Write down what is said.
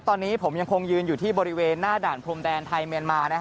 ตอนนี้ผมยังคงยืนอยู่ที่บริเวณหน้าด่านพรมแดนไทยเมียนมา